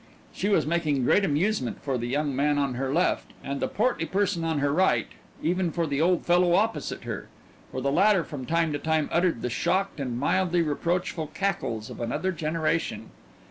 She was making great amusement for the young man on her left and the portly person on her right, and even for the old fellow opposite her, for the latter from time to time uttered the shocked and mildly reproachful cackles of another generation.